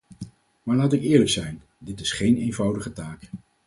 Maar laat ik eerlijk zijn: dit is geen eenvoudige taak.